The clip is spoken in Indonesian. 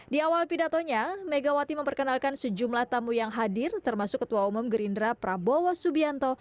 di awal pidatonya megawati memperkenalkan sejumlah tamu yang hadir termasuk ketua umum gerindra prabowo subianto